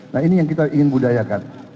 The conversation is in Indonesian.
nah ini yang kita ingin budayakan